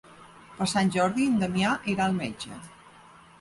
Per Sant Jordi en Damià irà al metge.